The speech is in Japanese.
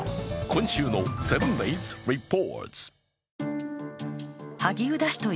今週の「７ｄａｙｓリポート」。